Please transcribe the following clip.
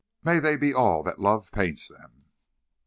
May they be all that love paints them!'